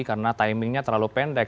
karena timingnya terlalu pendek